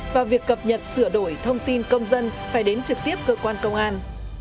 và việc cập nhật sửa đổi thông tin công dân phải đến trực tiếp cơ quan công an